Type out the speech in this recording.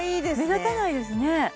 目立たないですね